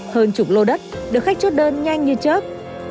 hơn chục lô đất được khách chốt đơn nhanh như trước